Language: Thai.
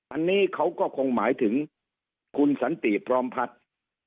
อันนี้เขาก็คงหมายถึงคุณสันติพร้อมพัฒน์